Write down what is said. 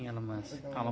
yang dirasain apa